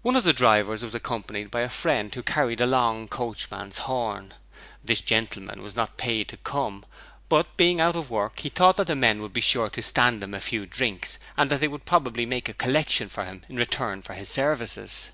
One of the drivers was accompanied by a friend who carried a long coachman's horn. This gentleman was not paid to come, but, being out of work, he thought that the men would be sure to stand him a few drinks and that they would probably make a collection for him in return for his services.